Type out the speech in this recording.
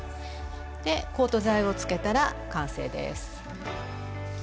でコート剤をつけたら完成です。